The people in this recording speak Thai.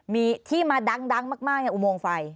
มีที่มาดังมากในอุโมงไฟ